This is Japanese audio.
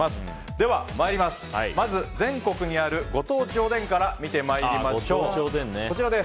では、全国にあるご当地おでんから見てまいりましょう。